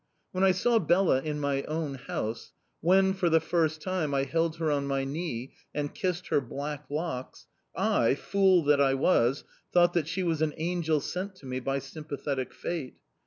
When I saw Bela in my own house; when, for the first time, I held her on my knee and kissed her black locks, I, fool that I was, thought that she was an angel sent to me by sympathetic fate...